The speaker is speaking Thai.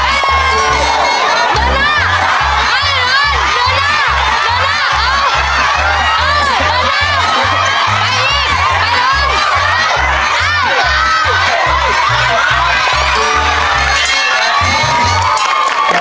ไปเร็วหน้า